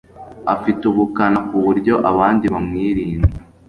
Afite ubukana kuburyo abandi bamwirinda